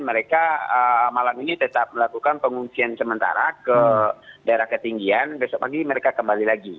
mereka malam ini tetap melakukan pengungsian sementara ke daerah ketinggian besok pagi mereka kembali lagi